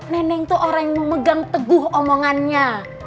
nenek tuh orang yang memegang teguh omongannya